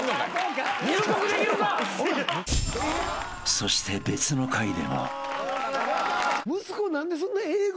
［そして別の回でも］